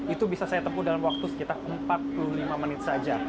itu bisa saya tempuh dalam waktu sekitar empat puluh lima menit saja